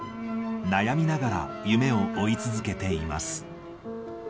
悩みながら、夢を追い続けています。